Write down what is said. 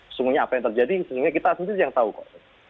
sesungguhnya apa yang terjadi sesungguhnya kita sendiri yang tahu kok